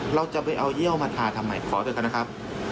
เราจะไปเอาเยี่ยวมาทาทำไมขอเถอะนะครับ